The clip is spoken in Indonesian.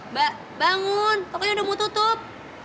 mbak bangun pokoknya udah mau tutup